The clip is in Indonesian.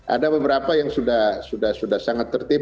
ada beberapa yang sudah sangat tertib